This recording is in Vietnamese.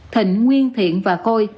thịnh nguyên thiện và khôi